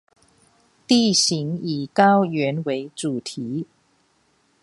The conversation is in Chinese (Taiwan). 地形以高原為主體